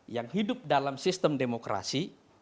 yang hidup dalam sistem demokrasi